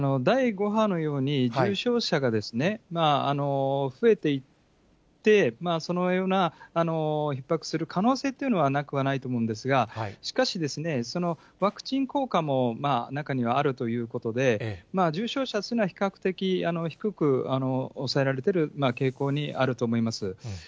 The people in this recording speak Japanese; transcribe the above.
第５波のように、重症者がですね、増えていって、そのようなひっ迫する可能性っていうのはなくはないと思うんですが、しかし、ワクチン効果も中にはあるということで、重症者というのは比較的低く抑えられている傾向にあると思います。